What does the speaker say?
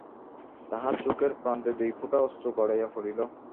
তাহার চোখের প্রান্তে দুই ফোঁটা অশ্রু গড়াইয়া পড়িল।